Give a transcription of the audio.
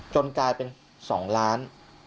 กลายเป็น๒ล้าน